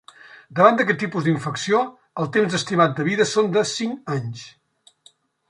Davant d’aquest tipus d’infecció el temps estimat de vida són de cinc anys.